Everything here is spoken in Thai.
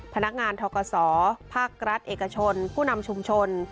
พนักงานทกศภาครัฐเอกชนผู้นำชุมชน